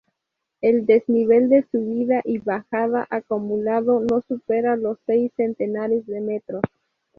El desnivel de subida y bajada acumulado no supera los seis centenares de metros.